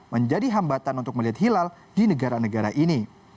menjadi hambatan untuk melihat hilal di negara negara ini